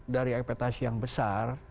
dari ekspektasi yang besar